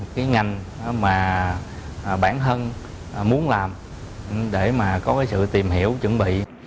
những ngành mà bản thân muốn làm để có sự tìm hiểu chuẩn bị